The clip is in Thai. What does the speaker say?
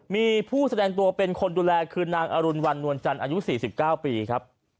มีผู้แสดงตัวเป็นคนดูแลคือนางอรุณวันนวลจันทร์อายุ๔๙ปีครับ